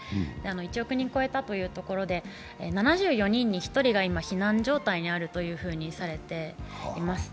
１億人を超えたというところで７４人に１人が今、避難状態にあるというふうにされています。